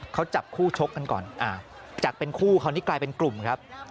เขาจับคู่ชกกันก่อนจากเป็นคู่คราวนี้กลายเป็นกลุ่มครับ